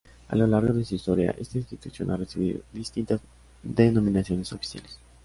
A lo largo de su historia esta institución ha recibido distintas denominaciones oficiales.